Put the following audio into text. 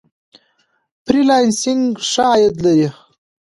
فری لانسینګ ښه عاید لري.